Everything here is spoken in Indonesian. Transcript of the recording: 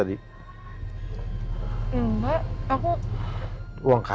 kalau ada yang katanya makanan dikendalikan